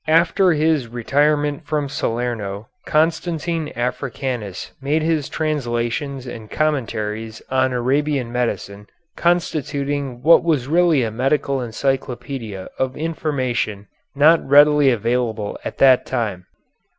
After his retirement from Salerno Constantine Africanus made his translations and commentaries on Arabian medicine, constituting what was really a medical encyclopedia of information not readily available at that time.